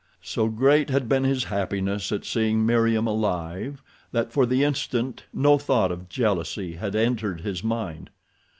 So great had been his happiness at seeing Meriem alive that, for the instant, no thought of jealousy had entered his mind.